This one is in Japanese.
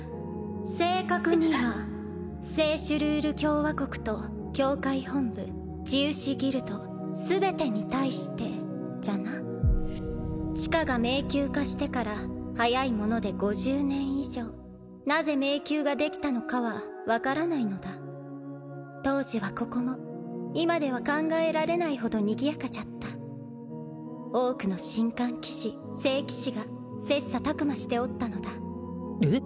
正確には聖シュルール共和国と教会本部治癒士ギルド全てに対してじゃな地下が迷宮化してから早いもので５０年以上なぜ迷宮ができたのかは分からないのだ当時はここも今では考えられないほどにぎやかじゃった多くの神官騎士聖騎士が切磋琢磨しておったのだえっ？